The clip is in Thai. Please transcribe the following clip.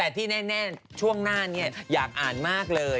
แต่ที่แน่ช่วงหน้าอยากอ่านมากเลย